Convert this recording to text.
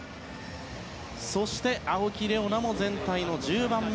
そして、青木玲緒樹も全体の１０番目。